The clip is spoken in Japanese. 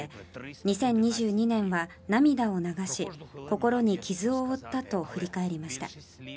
２０２２年は涙を流し心に傷を負ったと振り返りました。